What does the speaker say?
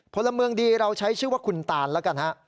พลเมืองดีเราใช้ชื่อว่าคุณตานแล้วกันฮะ